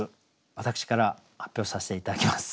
私から発表させて頂きます。